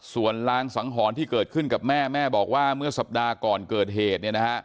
ส่วนลางสังหรณ์ที่เกิดขึ้นกับแม่แม่บอกว่าเมื่อสัปดาห์ก่อนเกิดเหตุ